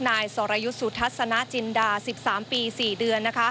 นายสรยุทธ์สุทัศนจินดา๑๓ปี๔เดือน